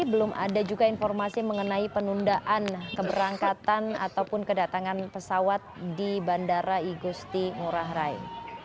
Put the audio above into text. belum ada juga informasi mengenai penundaan keberangkatan ataupun kedatangan pesawat di bandara igusti ngurah rai